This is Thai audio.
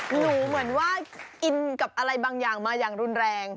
หนูเหมือนว่าอินกับอะไรบางอย่างมาอย่างรุนแรง